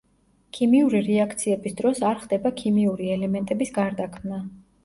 ქიმიური რეაქციების დროს არ ხდება ქიმიური ელემენტების გარდაქმნა.